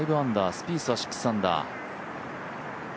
スピースは６アンダー。